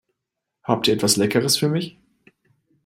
Habt ihr etwas Leckeres für mich?